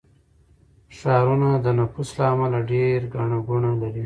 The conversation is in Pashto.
ښارونه د نفوس له امله ډېر ګڼه ګوڼه لري.